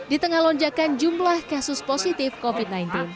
di tengah lonjakan jumlah kasus positif covid sembilan belas